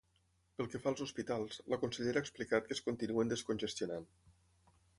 Pel que fa als hospitals, la consellera ha explicat que es continuen descongestionant.